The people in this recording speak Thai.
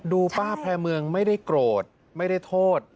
ป้าแพร่เมืองไม่ได้โกรธไม่ได้โทษ